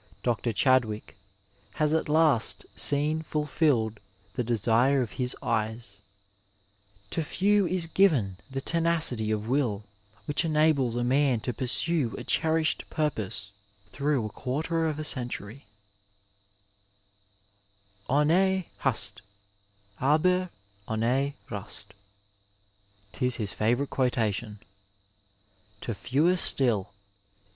Dr. Chadwick, has at last seen fulfilled the desire of his eyes. To few is given the tenacity of will which enables a man to pursue a cherished purpose through a quarter of a century —" Ohne Hast, dber ohne Rast " ('tis his favourite quotation) ; to fewer still is the » BoBton Medical library, 1901.